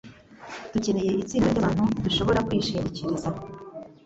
Dukeneye itsinda ryabantu dushobora kwishingikiriza.